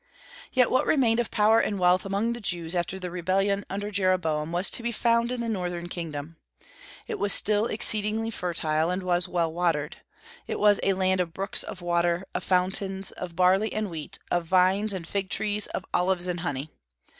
Yet what remained of power and wealth among the Jews after the rebellion under Jeroboam, was to be found in the northern kingdom. It was still exceedingly fertile, and was well watered. It was "a land of brooks of water, of fountains, of barley and wheat, of vines and fig trees, of olives and honey."